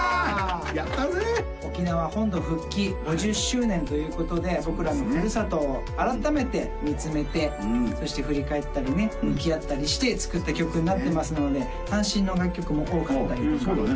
やったぜ沖縄本土復帰５０周年ということで僕らのふるさとを改めて見つめてそして振り返ったりね向き合ったりして作った曲になってますので三線の楽曲も多かったりとかああそうだね